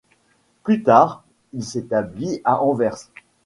Plus tard, il s'établit à Anvers.